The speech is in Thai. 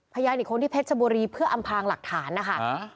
พยานอีกคนที่เพชรชบุรีเพื่ออำพางหลักฐานนะคะ